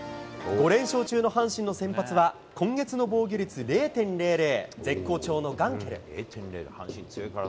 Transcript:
５連勝中の阪神の先発は、今月の防御率０．００、絶好調のガンケル。